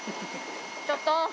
ちょっと。